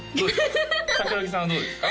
桜木さんはどうですか？